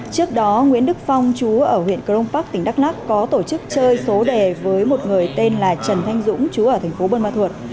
trước đó nguyễn đức phong trú ở huyện cron park tỉnh đắk lắc có tổ chức chơi số đề với một người tên là trần thanh dũng trú ở thành phố vân ba thuật